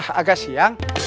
harus sudah agak siang